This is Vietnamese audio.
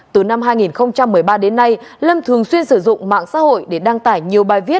từ năm hai nghìn một mươi ba đến nay lâm thường xuyên sử dụng mạng xã hội để đăng tải nhiều bài viết